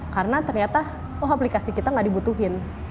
karena ternyata oh aplikasi kita gak dibutuhin